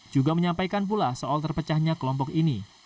juga menyampaikan pula soal terpecahnya kelompok ini